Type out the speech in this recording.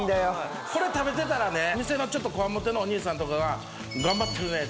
これ食べてたらね店のちょっとこわもてのお兄さんとかが。